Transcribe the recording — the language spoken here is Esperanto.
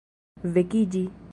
vekiĝi